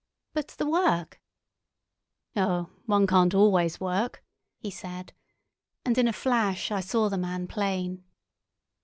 "But the work?" "Oh, one can't always work," he said, and in a flash I saw the man plain.